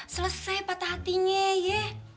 selesai patah hatinya ye